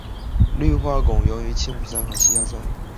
氟化汞溶于氢氟酸和稀硝酸。